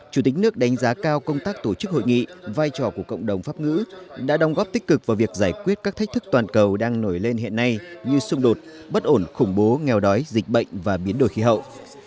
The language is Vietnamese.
công tác tổ chức hội nghị vai trò của cộng đồng pháp ngữ đã đồng góp tích cực vào việc giải quyết các thách thức toàn cầu đang nổi lên hiện nay như xung đột bất ổn khủng bố nghèo đói dịch bệnh và biến đổi khí hậu